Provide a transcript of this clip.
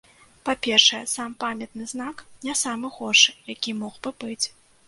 Па-першае, сам памятны знак не самы горшы, які мог бы быць.